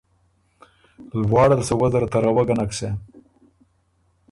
لواړه ل سُو وۀ زر تَرَوَک ګۀ نک سېم